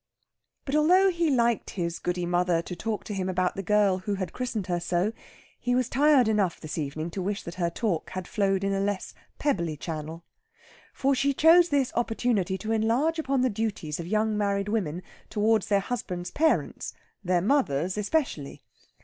But although he liked his Goody mother to talk to him about the girl who had christened her so, he was tired enough this evening to wish that her talk had flowed in a less pebbly channel. For she chose this opportunity to enlarge upon the duties of young married women towards their husbands' parents, their mothers especially.